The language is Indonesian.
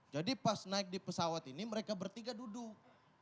jadi pas naik di pesawat ini mereka bertiga duduk